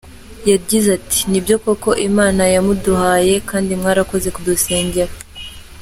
Yagize ati” Ni byo koko Imana yamuduhaye kandi mwarakoze kudusengera…”.